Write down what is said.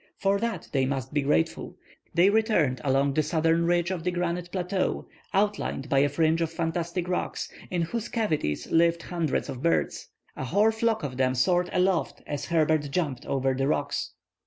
For that they must be grateful. They returned along the southern ridge of the granite plateau, outlined by a fringe of fantastic rocks, in whose cavities lived hundreds of birds. A whole flock of them soared aloft as Herbert jumped over the rocks.